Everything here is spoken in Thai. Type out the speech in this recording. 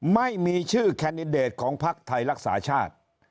ไม่มีชื่อแคนดิเดตของภักดิ์ไทยรักษาชาติ